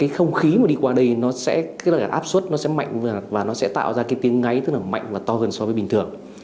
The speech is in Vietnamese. thông khí đi qua đây sẽ áp suất nó sẽ mạnh và nó sẽ tạo ra tiếng ngáy tức là mạnh và to hơn so với bình thường